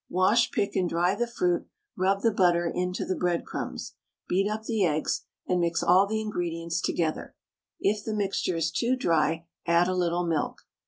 Wash, pick, and dry the fruit, rub the butter into the breadcrumbs, beat up the eggs, and mix all the ingredients together; if the mixture is too dry, add a little milk.